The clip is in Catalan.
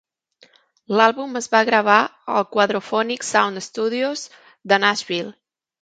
L'àlbum es va gravar als Quadrophonic Sound Studios de Nashville.